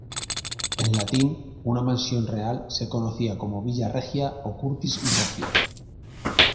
En latín, una mansión real se conocía como "villa regia" o "curtis regia.